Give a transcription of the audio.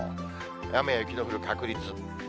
雨や雪の降る確率。